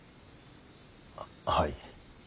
はい？